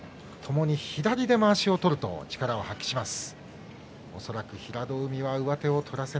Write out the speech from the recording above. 左で、まわしを取るとともに力を発揮します。